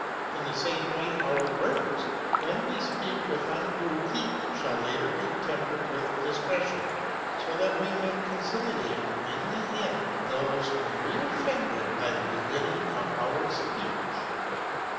In the (From same way our words, when we speak with undue heat, Neckam, should later be tempered with discretion, so that we may ^{JjJJ^x1â¢ conciliate in the end those whom we offended by the beginning of our speech.